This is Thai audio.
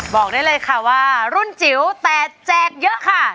บอกได้เลยค่ะว่ารุ่นจิ๋วแต่แจกเยอะค่ะ